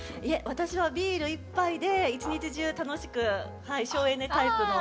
私はビール一杯で一日中楽しく省エネタイプの。